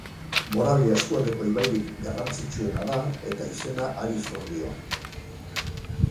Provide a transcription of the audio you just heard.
Moravia eskualdeko ibairik garrantzitsuena da eta izena hari zor dio.